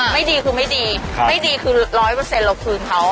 ไม่ดีคือไม่ดีไม่ดีคือ๑๐๐เราคืนเขา